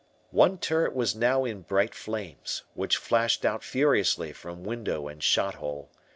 One turret was now in bright flames, which flashed out furiously from window and shot hole.